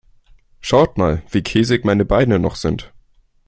Schaut mal, wie käsig meine Beine noch sind.